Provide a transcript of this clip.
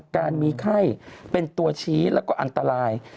การมีไข้เป็นตัวชี้แล้วก็อันตราย